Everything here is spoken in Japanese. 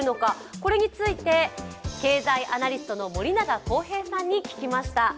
これについて経済アナリストの森永康平さんに聞きました。